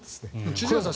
千々岩さん